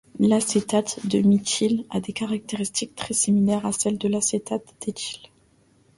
L'acétate de méthyle a des caractéristiques très similaires à celles de l'acétate d'éthyle.